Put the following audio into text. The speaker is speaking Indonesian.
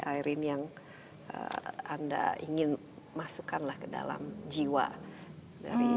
aireen yang anda ingin masukkanlah ke dalam jiwa dari orkestra